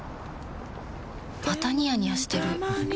またニヤニヤしてるふふ。